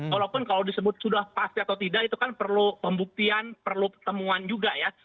walaupun kalau disebut sudah pasti atau tidak itu kan perlu pembuktian perlu pertemuan juga ya